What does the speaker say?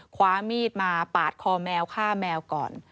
คว้ามีดมาปาดคอแมวฆ่าแมวก่อน